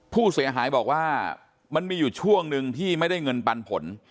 ผู้เสียหายบอกว่ามันมีอยู่ช่วงหนึ่งที่ไม่ได้เงินปันผล